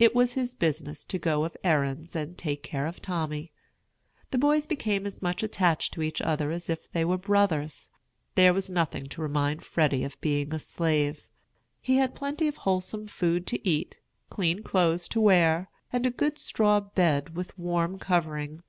It was his business to go of errands and take care of Tommy. The boys became as much attached to each other as if they were brothers. There was nothing to remind Freddy of being a slave. He had plenty of wholesome food to eat, clean clothes to wear, and a good straw bed with warm covering.